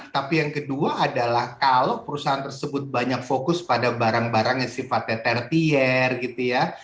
tapi yang kedua adalah kalau perusahaan tersebut banyak fokus pada barang barang yang sifatnya tertier gitu ya